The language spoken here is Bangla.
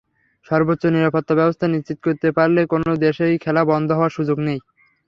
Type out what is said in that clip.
সর্বোচ্চ নিরাপত্তাব্যবস্থা নিশ্চিত করতে পারলে কোনো দেশেই খেলা বন্ধ হওয়ার সুযোগ নেই।